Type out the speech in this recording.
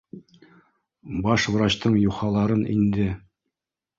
— Баш врачтың юхаларын инде